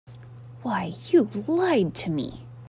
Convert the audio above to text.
Why, you lied to me.